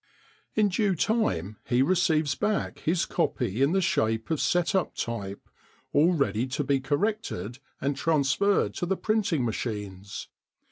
In due time he receives back his copy in the shape of set up type, all ready to be corrected and transferred to the printing machines.